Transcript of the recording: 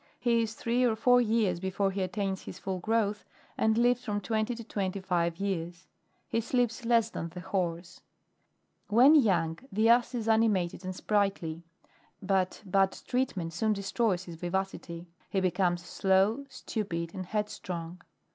He is three or four years before he attains his full growth, and lives from twenty to twenty five years ; he sleeps less than the horse. 20. When young, the Ass is animated and sprightly ; but bad treatment soon destroys his vivacity : he becomes slow, stupid, and headstrong.